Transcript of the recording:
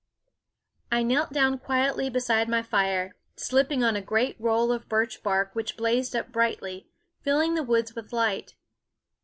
I knelt down quietly beside my fire, slipping on a great roll of birch bark which blazed up brightly, filling the woods with light.